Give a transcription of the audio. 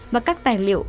và các tài liệu